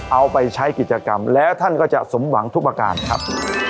เอาไปใช้กิจกรรมแล้วท่านก็จะสมหวังทุกประการครับ